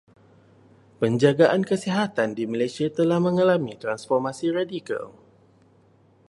Penjagaan kesihatan di Malaysia telah mengalami transformasi radikal.